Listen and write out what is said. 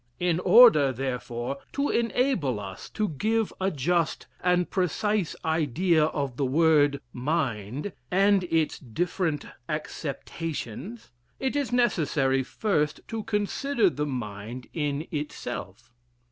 In order, therefore, to enable us to give a just and precise idea of the word Mind, and its different acceptations, it is necessary first to consider the Mind in itself.